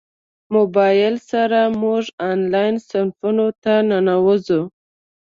موبایل سره موږ انلاین صنفونو ته ننوځو.